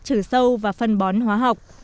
không có các trừ sâu và phân bón hóa học